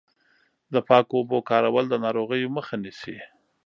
د پاکو اوبو کارول د ناروغیو مخه نیسي.